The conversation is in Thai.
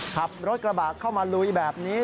ขับรถกระบะเข้ามาลุยแบบนี้